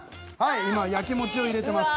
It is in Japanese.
今焼き餅を入れてます。